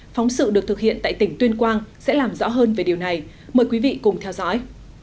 phóng sự được thực hiện tại tỉnh tuyên quang sẽ làm rõ hơn về điều này mời quý vị cùng theo dõi